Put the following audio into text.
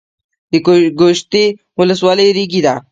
ګوشتې ولسوالۍ ریګي ده؟